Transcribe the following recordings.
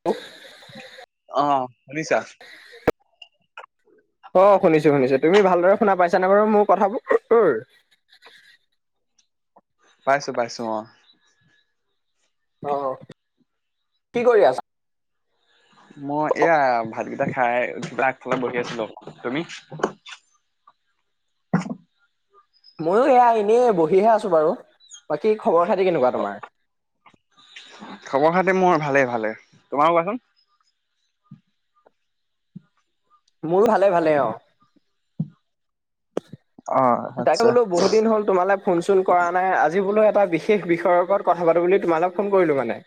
[unintelligible] অহ শুনিছা? অ শুনিছো শুনিছো, তুমি ভালদৰে শুনা পাইছা নে বাৰু মোৰ কথাবোৰ উ উৰ পাইছো পাইছো অ। অ কি কৰি আছা? মই এয়া ভাতকেইটা খাই কিবা আগফালে বহি আছিলো। তুমি? ময়ো এয়া এনেই বহিহে আছো বাৰু। বাকী খবৰ খাতি কেনেকুৱা অ তোমাৰ? খবৰ খাটি মোৰ ভালে ভালে। তোমাৰ কোৱাচোন? মোৰো ভালে ভালে অ। অ তাকে আচ্ছা বোলো বহুত দিন হ'ল তোমালে ফোন চোন কৰা নাই, আজি বোলো এটা বিশেষ বিষয়ৰ ওপৰত কথা পাতো বুলি তোমালে ফোন কৰিলো মানে।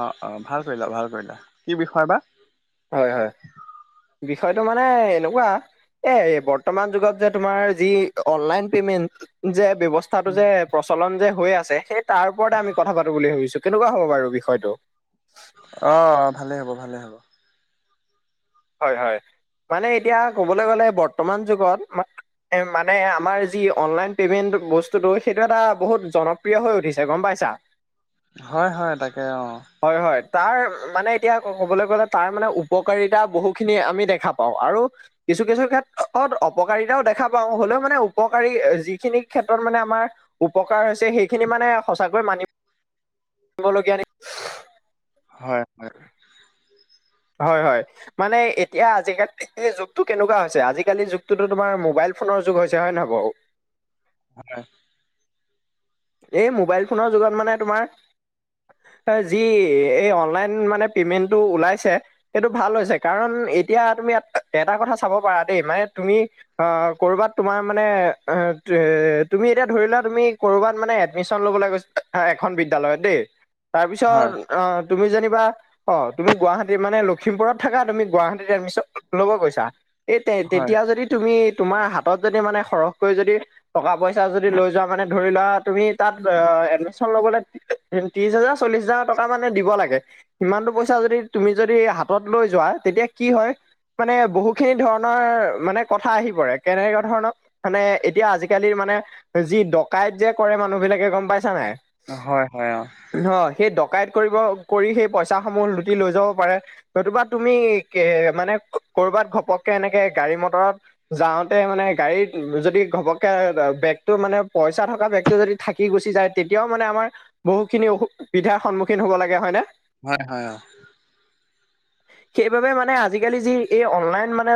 অ অ ভাল কৰিলা ভাল কৰিলা, কি বিষয় বা? হয় হয় বিষয়টো মানে এনকুৱা এ বৰ্তমান যুগত যে তোমাৰ যি অনলাইন পেমেন্ট যে ব্যৱ- স্থাটো যে প্ৰচলন যে হৈ আছে, সেই তাৰ ওপৰতে আমি কথা পাতো বুলি ভাবিছো। কেনেকুৱা হ'ব বাৰু বিষয়টো? অ ভালেই হ'ব, ভালেই হ'ব। হয় হয় মানে এতিয়া ক'বলৈ গ'লে বৰ্তমান যুগত ম- মানে আমাৰ যি অনলাইন পে'মেণ্ট বস্তুটো সেইটো এটা বহুত জনপ্ৰিয় হৈ উঠিছে গম পাইছা। [inaudible] হয় হয় তাকে অ। হয় হয় তাৰ মানে এতিয়া ক'বলৈ গ'লে তাৰ মানে উপকাৰী তা বহুখিনি আমি দেখা পাওঁ, আৰু কিছু কিছু ক্ষেত্ৰত অপকাৰিতাও দেখা পাওঁ, হলেও মানে উপকাৰী যিখিনি ক্ষেত্ৰত মানে আমাৰ উপকাৰ হৈছে সেইখিনি মানে সঁচাকৈ মানিব- বলগীয়া নি- হয় হয়। হয় হয়। মানে এতিয়া আজিকালি যুগটো কেনেকুৱা হৈছে, আজিকালি যুগটোতো তোমাৰ মোবাইল ফোনৰ যুগ হৈছে হয় নহয় বাও। হয়। এই মোবাইল ফোনৰ যুগত মানে তোমাৰ যি এই অনলাইন মানে পেমেন্টটো ওলাইছে সেইটো ভাল হৈছে কাৰণ এতিয়া তুমি এটা কথা চাব পাৰা দেই মানে তুমি অ কৰবাত তোমাৰ মানে অ এ তুমি এতিয়া ধৰি লোৱা তুমি কৰবাত মানে এডমিশ্যন লব গৈ এখন বিদ্যালয়ত দেই তাৰ পিছত হয় অ তুমি যেনিবা অ তুমি গুৱাহাটী মানে লখিমপুৰত থাকা তুমি গুৱাহাটীত এডমিশ্যন লব গৈছা। এই তে হয় তেতিয়া যদিত- তুমি তোমাৰ হাতত যদি মানে সৰহকৈ যদি টকা পইচা যদি লৈ যোৱা মানে ধৰি লোৱা তুমি তাত আ এডমিশ্যন ল'বলৈ ত্ৰিশ হাজাৰ চল্লিশ হাজাৰ টকা মানে দিব লাগে। সিমানটো পইচা যদি তুমি যদি হাতত লৈ যোৱা তেতিয়া কি হয়, মানে বহু খিনি ধৰণৰ মানে কথা আহি পৰে কেনেকুৱা ধৰণৰ মানে এতিয়া আজিকালি মানে যি ডকাইত যে কৰে মানুহ বিলাকে গম পাইছা নাই? অ, হয় -হয় অ। অহ, সেই ডকাউত কৰিব কৰি সেই পইচাসমূহ লুটি লৈ যাব পাৰে নতুবা তুমি কে মানে কৰবাত ঘপককে এনেকে গাড়ী মটৰত যাওঁতে মানে গাড়ীত যদি ঘবপকে [unintelligible] বেগটো মানে পইচা থকা বেগ টো যদি থাকি গুচি যায় তেতিয়াও মানে আমাৰ বহুতখিনি অসুবিধাৰ সন্মুখীন হব লাগে হয় নে? হয়- হয় অ, [inaudible] সেইবাবে মানে আজিকালি যি এই অনলাইন মানে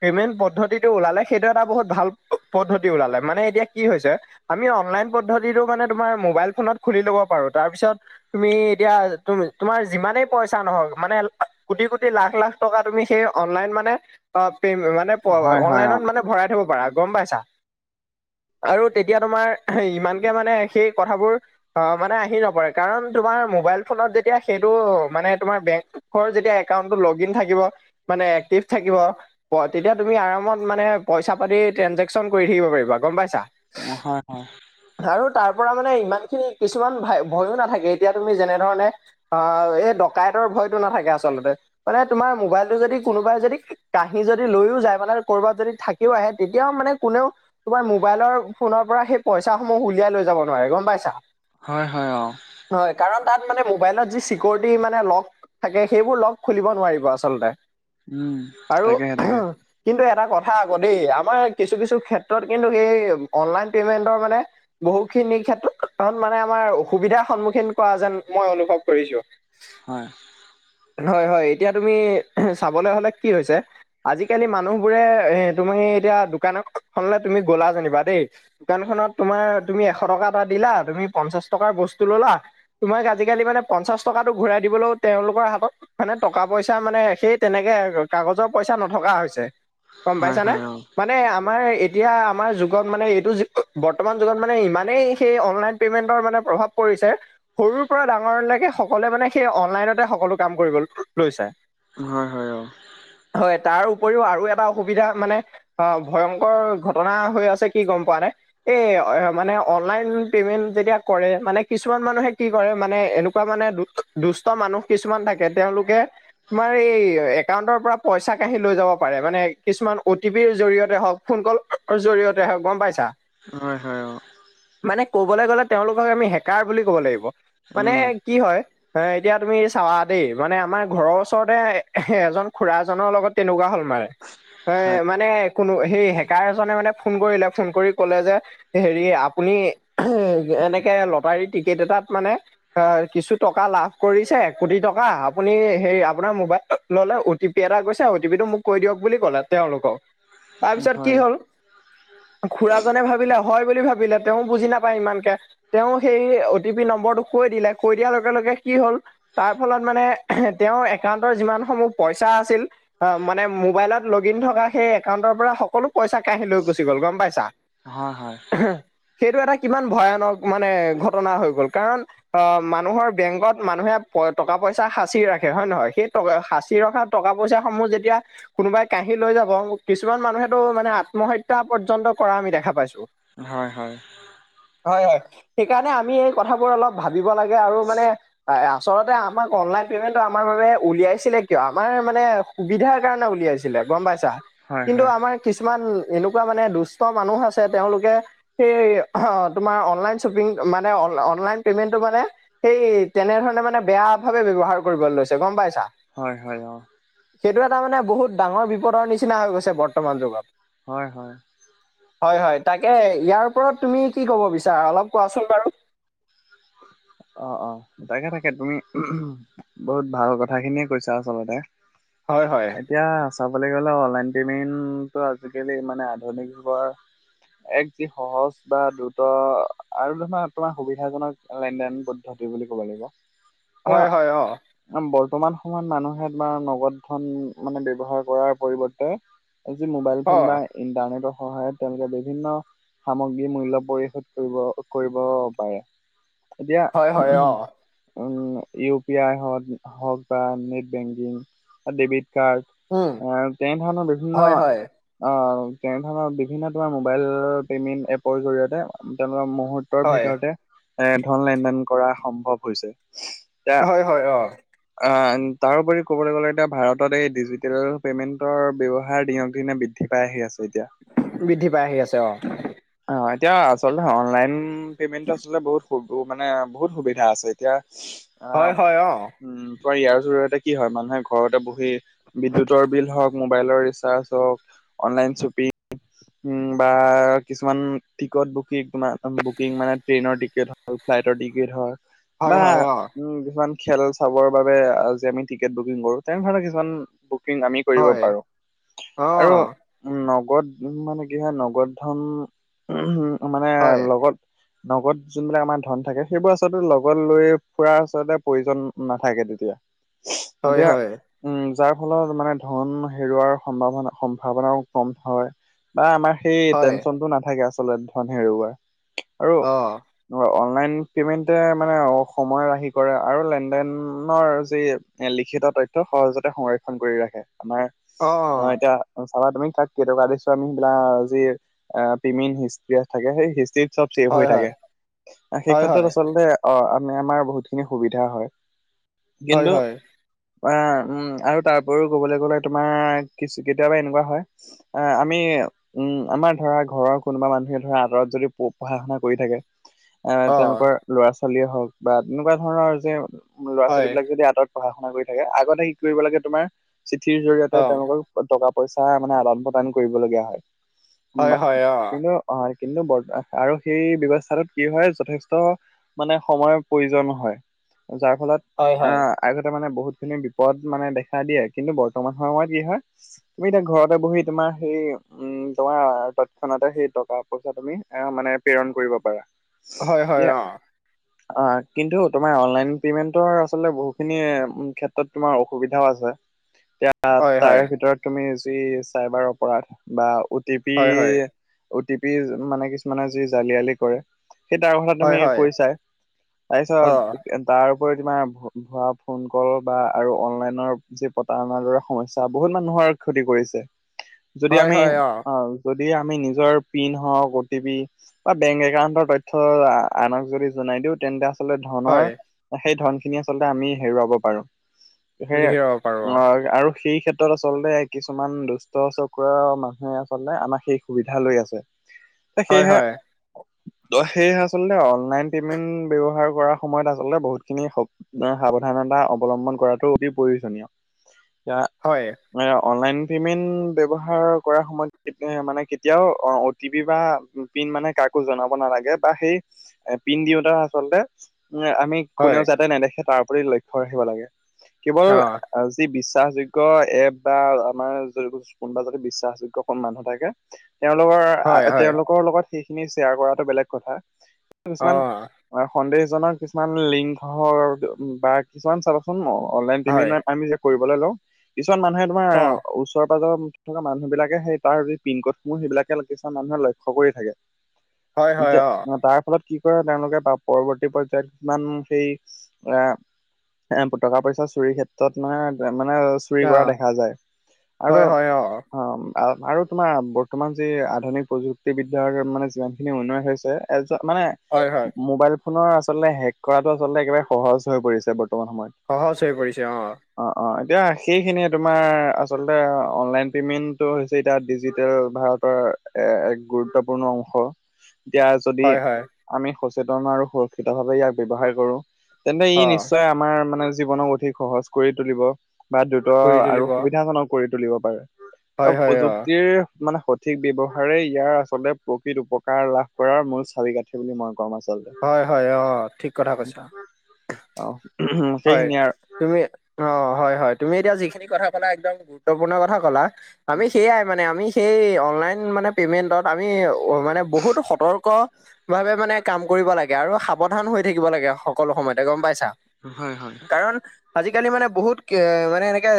পেমেণ্ট পদ্ধতিটো ওলালে সেইটো এটা বহুত ভাল পদ্ধতি ওলালে মানে এতিয়া কি হৈছে আমি অনলাইন পদ্ধতিটো মানে তোমাৰ মোবাইল ফোনত খুলি ল'ব পাৰো তাৰপিছত তুমি এতিয়া তো -তোমাৰ যিমানেই পইচা নহক মানে কোটি- কোটি, লাখ - লাখ টকা তুমি সেই অনলাইন মানে অ, পে মানে হয় [unintelligible] হয় অ অনলাইনত মানে তুমি ভৰাই থব পাৰা গম পাইছা আৰু তেতিয়া তোমাৰ এই ইমানকে মানে সেই কথাবোৰ অ, মানে আহি নপৰে কাৰণ তোমাৰ মোবাইল ফোনত যেতিয়া সেইটো মানে তোমাৰ বেংক খৰ যেতিয়া একাউন্তটো লগ ইন থাকিব মানে এক্টিভ থাকিব ব তেতিয়া তুমি আৰামত মানে পইচা পাতি ট্ৰেঞ্জেকশচন কৰি থাকিব পাৰিবা গম পাইছা? ম, হয়- হয় আৰু তাৰ পৰা মানে ইমান খিনি কিছুমান ভা ভয়ো নাথাকে এতিয়া তুমি যেনে ধৰণে অ, এ ডকাইতৰ ভয়তো নাথাকে আচলতে। মানে তোমাৰ মোবাইলটো যদি কোনোবাই যদি কাহী যদি লৈও যায় মানে কৰবাত যদি থাক কিও আহে তেতিয়াও মানে কোনেও তোমাৰ মোবাইলৰ ফোনৰ পৰা সেই পইচাসমূহ উলিয়াই লৈ যাব নোৱাৰে গম পাইছা? হয় -হয় অ। হয় কাৰণ তাত মানে মোবাইলত যি চিকৰিটি মানে লক থাকে সেইবোৰ লক খুলিব নোৱাৰিব আচলতে উম আৰু তাকেহে তাকে কিন্তু এটা কথা আকৌ দেই আমাৰ কিছু-কিছু ক্ষেত্ৰত কিন্তু এই অনলাইন পেমেন্টৰ মানে বহুখিনি ক্ষেত্ৰত মানে আমাৰ অসুবিধাৰ সন্মুখীন কৰা যেন মই অনুভৱ কৰিছোঁ। হয়। হয় -হয় এতিয়া তুমি চাবলৈ হ'লে কি হৈছে আজিকালি মানুহবোৰে এ তুমি এতিয়া দোকান এখনলে তুমি গ'লা যেনিবা দেই দোকানখনত তোমাৰ তুমি এশ টকা এটা দিলা তুমি পঞ্চাশ টকাৰ বস্তু ল'লা তোমাক আজিকালি মানে পঞ্চাশ টকাটো ঘূৰাই দিবলৈও তেওঁলোকৰ হাত ত মানে টকা পইচা মানে সেই তেনেকে কাগজৰ পইচা নথকা হৈছে। গম হয় পাইছানে হয় অ মানে আমাৰ এ এতিয়া আমাৰ যুগত মানে এইটো বৰ্তমান যুগত মানে ইমানেই সেই অনলাইন পেমেন্টৰ মানে প্ৰভাৱ পৰিছে সৰুৰ পৰা ডাঙৰলৈকে সকলোৱে মানে সেই অনলাইনতে সকলো কাম কৰিব লৈছে। উম, হয় -হয় অ। হয় তাৰ উপৰিও আৰু এটা অসুবিধা মানে অ, ভয়ংকৰ ঘটনা হৈ আছে কি গম পোৱা নে? এ মানে অনলাইন পেমেন্ট যেতিয়া কৰে মানে কিছুমান মানুহে কি কৰে মানে এনেকুৱা মানে দু দুষ্ট মানুহ কিছুমান থাকে তেওঁলোকে তোমাৰ এই একাউণ্টৰ পৰা পইচা কাঢ়ি লৈ যাব পাৰে মানে কিছুমান অ টি পি'ৰ জৰিয়তে হওক ফোন কল জৰিয়তে হওক গম পাইছা? হয়- হয় অ। মানে কবলৈ গ'লে তেওঁলোকক আমি হেকাৰ বুলি ক'ব লাগিব মানে উম কি হয় এ-এতিয়া তুমিচ চাবা দেই মানে আমাৰ ঘৰৰ ওচৰতে এ এজন খুৰা জনৰ লগত তেনেকুৱা হ'ল হয় [unintelligible] মানে কোনো সেই হেকাৰ এজনে মানে ফোন কৰিলে ফোন কৰি কলে যে এ হেৰি আপুনি এনেকে লটাৰী টিকেট এটাত মানে অ' কিছু টকা লাভ কৰিছে। কোটি টকা আপুনি হেই আপোনাৰ মবাইল ল'লে অ' টি পি এটা গৈছে অ' টি পি টো মোক। কৈ দিয়ক বুলি ক'লে তেওঁলোকক তাৰপিছত কি হয় হ'ল। খুৰাজনে ভাবিলে হয় বুলি ভাবিলে তেওঁ বুজি নাপায় ইমানকে। তেওঁ সেই অ টি পি নম্বৰটো কৈ দিলে কৈ দিয়াৰ লগে লগে কি হ'ল। তাৰ ফলত মানে তেওঁৰ একাউণ্টৰ যিমান সমূহ পইচা আছিল। অ' মানে মোবাইলত লগ ইন থকা সেই একাউণ্টৰ পৰা সকলো। পইচা কাহি লৈ গুচি গ'ল গম পাইছা। হয় হয় সেইটো এটা কিমান ভয়ানক মানে ঘটনা হৈ গ'ল কাৰণ অ মানুহৰ বেংকত মানুহে। টকা পইচা সাঁচি ৰাখে হয় নে নহয় সেই টকা সাঁচি ৰখা টকা পইচা সমূহ যেতিয়া। কোনোবাই কাহি লৈ যাব কিছুমান মানুহেতো মানে আত্মহত্যা পৰ্যন্ত কৰা আমি দেখা পাইছো। হয় হয়। হয় -হয় সেইকাৰণে আমি এই কথাবোৰ অলপ ভাবিব লাগে আৰু মানে। আচলতে আমাক অনলাইন পেমেন্টটো আমাৰ বাবে উলিয়াইছিলে কিয় আমাৰ মানে সুবিধাৰ কাৰণে উলিয়াইছিল। ছিলে গম পাইছা হয় কিন্তু আমাৰ কিছুমান এনেকুৱা মানে দুষ্ট মানুহ আছে তেওঁলোকে। সেই তোমাৰ অনলাইন শ্বপিং মানে অনলাইন পেমেন্টটো মানে। সেই তেনেধৰণে মানে বেয়া ভাৱে ব্যৱহাৰ কৰিব লৈছে গম পাইছা। হয় হয় অ' সেইটো এটা মানে বহুত ডাঙৰ বিপদৰ নিচিনা হৈ গৈছে বৰ্তমান যুগত। হয় হয়। হয়- হয় তাকে ইয়াৰ ওপৰত তুমি কি ক'ব বিচাৰা অলপ কোৱাচোন বাৰু। অ -অ তাকে তাকে তুমি? বহুত ভাল কথা খিনিয়ে কৈছা আচলতে। হয় হয়। এতিয়া চাবলৈ গ'লে অনলাইন পেমেণ্টটো আজিকালি মানে আধুনিক যুগৰ। এক যি সহজ বা দ্ৰুত আৰু ধৰা তোমাৰ সুবিধাজনক। লেন দেন পদ্ধতি বুলি ক'ব লাগিব। এতিয়া হয় হয় অ' বৰ্তমান সময়ত মানুহে তোমাৰ নগদ ধন মানে ব্যৱহাৰ কৰাৰ পৰিৱৰ্তে। যি মোবাইল অ ফোন বা ইন্টাৰনেটৰ সহায়ত তেওঁলোকে বিভিন্ন। সামগ্ৰী মূল্য পৰিশোধ কৰিব কৰিব পাৰে এতিয়া। হয় হয় অ ইউ পি আই হ হওক বা নেট বেংকিং। ডেবিট কাৰ্ড উম এ তেনেধৰণৰ বিভিন্ন। হয় হয় অ' তেনে ধৰণৰ বিভিন্ন তোমাৰ মোবাইল পেমেণ্ট এপৰ জৰিয়তে অ' তেওঁলোকৰ মুহূৰ্ত মুহূৰ্তৰ হয় ভিতৰতে এ ধন লেন দেন কৰা সম্ভৱ হৈছে। হয় হয় অ'। অ' তাৰোপৰি ক'বলৈ গ'লে এতিয়া ভাৰতত এই ডিজিটেল পেমেন্টৰ ব্যয়হাৰ দিনক দিনে বৃদ্ধিৰ। বৃদ্ধি পাই আহি আছো এতিয়া। বৃদ্ধি পাই আহি আছে অ' অ' এতিয়া আচলতে অনলাইন পেমেন্টটো আচলতে বহুত। উ উ মানে বহুত সুবিধা আছে এতিয়া আ হয় হয় অ উম। ধৰ ইয়াৰ জৰিয়তে কি হয় মানুহে ঘৰতে বহি। বিদ্যুতৰ বিল হওঁক মোবাইলৰ ৰিচাৰ্জ হওঁক। অনলাইন শ্বপিং উ বা। কিছুমান টিকট বুকিং তোমাৰ বুকিং মানে ট্ৰেইনৰ টিকেট হক ফ্লাইটৰ টিকেট হক। হয় বা হয় অ উম কিছুমান। খেল চাবৰ বাবে যি আমি টিকেট বুকিং কৰো তেনে ধৰণৰ কিছুমান বুকিং আমি। কৰিব হয় পাৰো অ আৰু নগদ মানে কি হয় নগদ ধন। উম মানে লগত। [inaudible] নগদ যোনবিলাক আমাৰ ধন থাকে সেইবোৰ আচলতে লগত লৈ ফুৰা আচলতে প্ৰয়োজন নাথাকে তেতিয়া। চু হয় হয় এতিয়া উম যাৰ ফলত মানে ধন হেৰুৱাৰ সম্ভাৱনা সম্ভাৱনাও কম হয়। বা আমাৰ সেই হয় টেনচনটো নাথাকে আচলতে ধন হেৰুৱাৰ আৰু অ [inaudible] নাইন পে'মেণ্টে মানে সময় ৰাহি কৰে আৰু লেনদেনৰ যি এ লিখিত তথ্য সহজতে সংৰক্ষণ কৰি ৰাখে আমাৰ অ এতিয়া চাবা তুমি তাক কেইটকা দিছো আমি আ যি আ পেমেণ্ট হিষ্ট থাকে সেই হিষ্ট্ৰিত চব ছেভ হয় হৈ হয় থাকে, সেই হয় ক্ষেত্ৰত হয় আচলতে অ মানে আমাৰ বহুতখিনি সুবিধা হয় হয় কিন্তু হয় আ উম আৰু তাৰ উপৰিও কবলৈ গলে তোমাৰ কিছু কেতিয়াবা এনেকুৱা হয় আহ আমি উম আমাৰ ধৰা ঘৰৰ কোনোবা মানুহে ধৰা আঁতৰত যদি পঢ়া - শুনা কৰি থাকে, এ অ তেওঁলোকৰ ল'ৰা - ছোৱালীয়ে হওক বা তেনেকুৱা ধৰণৰ যে ল'ৰা - হয় ছোৱালীবিলাক যদি আঁতৰত পঢ়া - শুনা কৰি থাকে, আগতে কি কৰিব লাগে তোমাৰ চিঠিৰ জৰিয়তে অ তেওঁলোকক টকা - পইচা মানে আদান- প্ৰদান কৰিব লগীয়া হয়। হয় বা হয় কিন্তু অ কিন্তু বৰ আৰু সেই ব্যৱস্থাটোত কি হয় যথেষ্ট মানে সময়ৰ প্ৰয়োজন হয় যাৰ ফলত আ আগতে মানে বহুতখিনি বিপদ মানে দেখা দিয়ে কিন্তু বৰ্তমান সময়ত কি হয় তুমি এতিয়া ঘৰতে বহি তোমাৰ সেই উম তোমাৰ তা তৎক্ষণাতে সেই টকা - পইচা তুমি আ মানে প্ৰেৰণ কৰিব পাৰা চু হয় হয় দিয়া। [inaudible] অ কিন্তু তোমাৰ অনলাইন পেমেন্টৰ আচলতে বহুখিনি ক্ষেত্ৰত তোমাৰ অসুবিধাও আছে। [inaudible] আ তাৰে হয় ভিতৰত তুমি যি চাইবাৰ অপৰাধ বা অ' টি পি হয় হয় হয় হয় হয় হয় অ টি পি মানে কিছুমানে যি জালিয়ালি কৰে। সেই তাৰ কথা তুমি কৈছা অ তাৰপিছত কে তাৰ উপৰি তোমাৰ ধৰা ফোন কল বা আৰু অনলাইনৰ যি প টান আমাৰ দৰে সমস্যা বহুত মানুহৰ ক্ষতি কৰিছে। [inaudible] যদি আমি অ যদি আমি নিজৰ পিন হওঁক, অ' টি পি বা বেংক একাউণ্টৰ তথ্য আনক যদি জনাই দিও তেন্তে আচলতে ধনৰ হয় সেই ধনখিনি আচলতে আমি হেৰুৱাব পাৰো। সে লিখি ল'ব পাৰো অ আৰু সেই ক্ষেত্ৰত আচলতে কিছুমান দুষ্ট চক্ৰ মানুহে আছ চলে আমাক সেই সুবিধা লৈ আছে হয় সেয়েহে হয় ত সে আচলতে অনলাইন পেমেন্ট ব্যৱহাৰ কৰাৰ সময়ত আচলতে বহুতখিনি স অ সাৱধানতা অৱলম্বন কৰাটো অতি প্ৰয়োজনীয়। ইয়া হয়। মানে অনলাইন পেমেন্ট ব্যৱহাৰ কৰা সময়ত কেতমে মানে কেতিয়াও অ অ' টি পি বা পিন মানে কাকো জনাব নালাগে বা সেই এ পিন দিওতা আচলতে উম আমি হয় কোনেও যাতে নেদেখে তাৰ প্ৰতি লক্ষ্য ৰাখিব লাগে। কেৱল অ আৰু যি বিশ্বাসযোগ্য এপ বা আমাৰ যো কোনবা যদি বিশ্বাসযোগ্য ক মানুহ থাকে তেওঁলোকৰ আ হয় হয় তেওঁলোকৰ লগত সেইখিনি শ্বেয়াৰ কৰাটো বেলেগ কথা। কিছুমান অ সন্দেহজনক কিছুমান লিংগৰ বা কিছুমান চাবাচোন অনলাইন হয়। পেমেণ্ট আমি যে কৰিবলৈ লওঁ কিছুমান মানুহে তোমাৰ অ'। ওচৰ - পাজৰ থকা মানুহবিলাকে সেই তাৰ পিংকডসমূহ সেইবিলাকে কিছুমান মানুহে লক্ষ্য কৰি থাকে, হয়, হয়, অ'। এতিয়া তাৰ ফলত কি কৰে তেওঁলোকে বা পৰৱৰ্তী পৰ্যায়ত কিমান সেই এ এ টকা - পইচা চুৰি ক্ষেত্ৰত মানে -মানে চে চুৰি কৰা অ'। দেখা যায়। আৰু হয়, হয়, অ আৰু তোমাৰ বৰ্তমান যি আধুনিক প্ৰযুক্তিবিদ্যাৰ মানে যিমানখিনি উন্নয়ন হৈছে। এ য মানে হয়, হয়। মোবাইল ফোনৰ আচলতে হেক কৰাটো আচলতে একেবাৰে সহজ হৈ পৰিছে বৰ্তমান সময়ত। সহজ হৈ পৰিছে অ। অ অ এতিয়া সেইখিনি তোমাৰ আচলতে অনলাইন পেমেন্টটো হৈ ছে এতিয়া ডিজিটেল ভাৰতৰ এ এক গুৰুত্বপূৰ্ণ অংশ। এতিয়া যদি হয়, হয়, আমি সচেতন আৰু সুৰক্ষিতভাৱে ইয়াক ব্যৱহাৰ কৰো। তেন্তে অ'। ই নিশ্চয় আমাৰ মানে জীৱনক অধিক সহজ কৰি তুলিব। বা দ্ৰুত কৰি আৰু তুলিব। সুবিধাজনক কৰি তুলিব পাৰে হয়, হয়, অ'। প্ৰযুক্তিৰ মানে স সঠিক ব্যৱহাৰে ইয়াৰ আচলতে প্ৰকৃত উপকাৰ লাভ কৰাৰ মূল চাবি কাঁঠি বুলি মই কম আচলতে। হয়, হয়, অ ঠিক কথা কৈছা। উম হয়। সেইখিনিয়ে আৰ। তুমি অ হয় হয় তুমি এতিয়া যিখিনি কথা কলা একদম গুৰুত্বপূৰ্ণ কথা ক'লা। আমি সেইয়াই মানে আমি সেই অনলাইন মানে পেমেন্টত আমি অ মানে বহুতো সতৰ্ক ভাৱে মানে কাম কৰিব লাগে। গাৰু সাৱধান হৈ থাকিব লাগে সকলো সময়তে গম পাইছা। হয়, হয়, কাৰণ আজিকালি মানে বহুত মানে এনেকে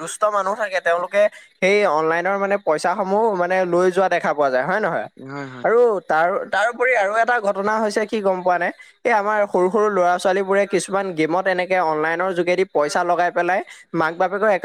দুষ্ট মানুহ থাকে। তেওঁলোকে সেই অনলাইনৰ মানে পইচা সমূহ মানে লৈ যোৱা দেখা পোৱা যায় হয় নহয় হয় হয় আৰু তাৰ তাৰপৰি আৰু এটা ঘটনা হৈছে কি গম পোৱা নে, এই আমাৰ সৰু সৰু ল'ৰা ছোৱালী বোৰে কিছুমান গেমত এনেকে অনলাইনৰ যু গেদি পইচা লগাই পেলাই মাক বাপেক একাউ